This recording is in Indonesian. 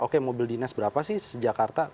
oke mobil dinas berapa sih sejak jakarta